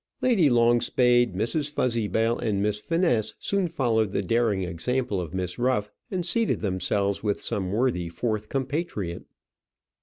Lady Longspade, Mrs. Fuzzybell, and Miss Finesse soon followed the daring example of Miss Ruff, and seated themselves with some worthy fourth compatriot.